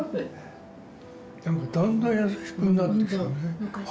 でもだんだん優しくなってきたね。